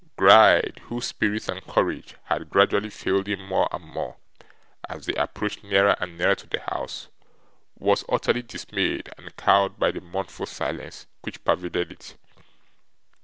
Gride, whose spirits and courage had gradually failed him more and more as they approached nearer and nearer to the house, was utterly dismayed and cowed by the mournful silence which pervaded it.